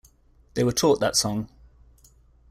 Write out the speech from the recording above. They were taught that song.